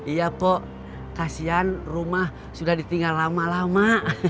iya pok kasihan rumah sudah ditinggal lama lama